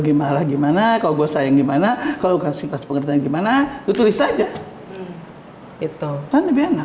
gimana gimana kalau gua sayang gimana kalau kasih pas pengetahuan gimana itu tulis aja